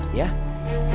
udah bikin kacau ulang tahun